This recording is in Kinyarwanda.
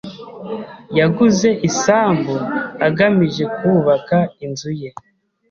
Yaguze isambu agamije kubaka inzu ye.